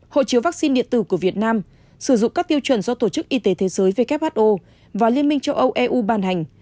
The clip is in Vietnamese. hộ chiếu vaccine điện tử của việt nam sử dụng các tiêu chuẩn do tổ chức y tế thế giới who và liên minh châu âu eu ban hành